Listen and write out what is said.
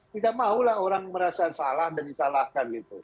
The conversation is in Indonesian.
tidak maulah orang merasa salah dan disalahkan gitu